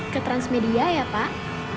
ke transmedia ya pak